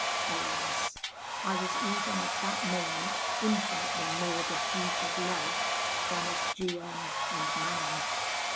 Alas! I was even at that moment infinitely more the dupe of love, than of G M and Manon.